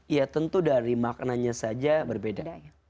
ya tentu dari maknanya saja berbeda